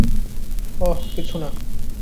অহ, কিছুনা।